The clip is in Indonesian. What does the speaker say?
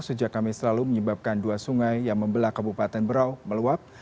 sejak kamis lalu menyebabkan dua sungai yang membelah kabupaten berau meluap